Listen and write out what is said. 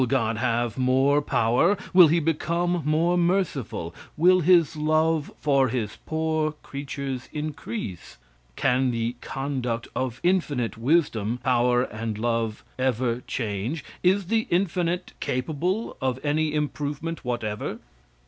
Will god have more power? Will he become more merciful? Will his love for his poor creatures increase? Can the conduct of infinite wisdom, power and love ever change? Is the infinite capable of any improvement whatever.